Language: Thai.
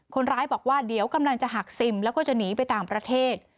คนร้ายบอกว่าเดี๋ยวกำลังจะหักซิมแล้วก็จะหนีไปต่างประเทศ